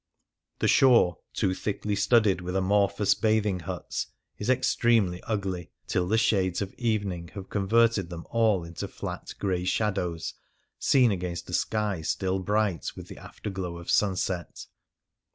'i'he shore, too thickly studded with amorphous 104 The Lagoon bathing huts, is extremely ugly — till the shades of evening have converted them all into flat grey shadows seen against a sky still bright with the afterglow of sunset.